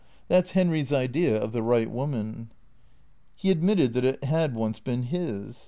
That 's Henry's idea of the right woman." He admitted that it had once been his.